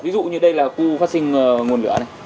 ví dụ như đây là khu phát sinh nguồn lửa này